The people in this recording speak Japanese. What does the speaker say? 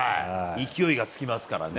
勢いがつきますからね。